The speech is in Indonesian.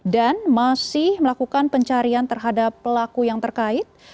dan masih melakukan pencarian terhadap pelaku yang terkait